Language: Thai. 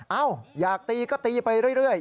อยากตีก็ตีไปเรื่อย